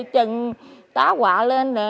chừng tá quạ lên